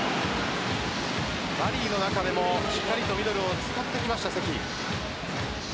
ラリーの中でもしっかりとミドルを使ってきました、関。